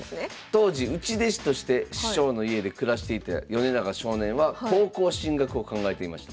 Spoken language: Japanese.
当時内弟子として師匠の家で暮らしていた米長少年は高校進学を考えていました。